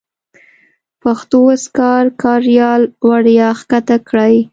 پښتو اذکار کاریال وړیا کښته کړئ.